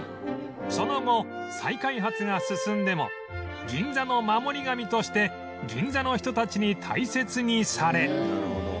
その後再開発が進んでも銀座の守り神として銀座の人たちに大切にされ